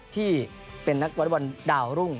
ที่เป็นนักวอเล็กบอลดาวรุ่ง